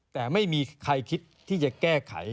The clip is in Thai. แต่ไม่มีใครคิดที่จะแก้ไข